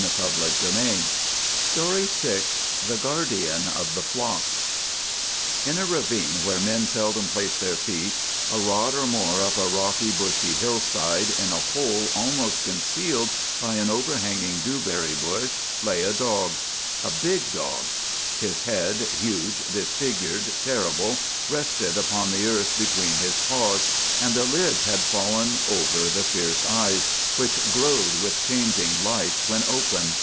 THE GUARDIAN OF THE FLOCK THE GUARDIAN OF THE FLOCK IN a ravine where men seldom placed their feet, a rod or more up a rocky, bushy hillside, in a hole almost concealed by an overhanging dewberry bush, lay a dog. A big dog. His head, huge, disfigured, terrible, rested upon the earth between his paws, and the lids had fallen over the fierce eyes, which glowed with changing lights when open.